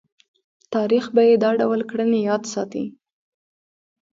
تاریخ به یې دا ډول کړنې یاد ساتي.